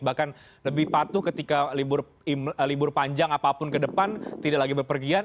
bahkan lebih patuh ketika libur panjang apapun ke depan tidak lagi berpergian